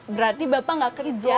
berarti bapak gak kerja